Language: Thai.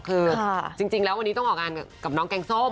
คือจริงแล้ววันนี้ต้องออกงานกับน้องแกงส้ม